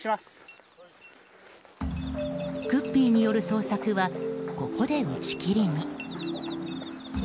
クッピーによる捜索はここで打ち切りに。